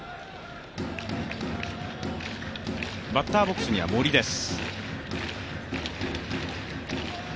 バッターボックスには森です。